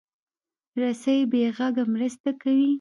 رسۍ بې غږه مرسته کوي.